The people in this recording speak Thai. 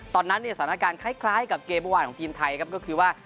ตอนนั้นเนี่ยสถานการณ์คล้ายกับเกมเมื่อวานของทีมไทยครับก็คือว่า